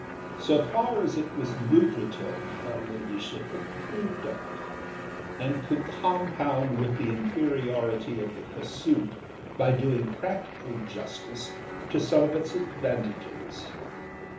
So far as it was lucrative her ladyship approved of it, and could compound with the inferiority of the pursuit by doing practical justice to some of its advantages.